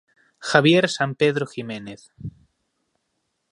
Javier Sampedro Jiménez.